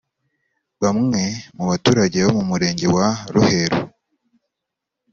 Bamwe mu baturage bo mu Murenge wa Ruheru